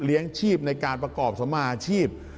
เลี้ยงชีพในการประกอบสมาชิพ